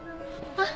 あっ。